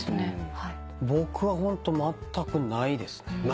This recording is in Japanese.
僕はホントまったくないですね。